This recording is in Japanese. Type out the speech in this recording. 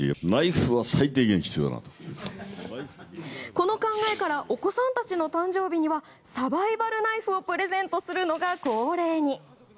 この考えからお子さんたちの誕生日にはサバイバルナイフをプレゼントするのが恒例に。